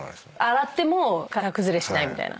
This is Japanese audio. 洗っても形崩れしないみたいな。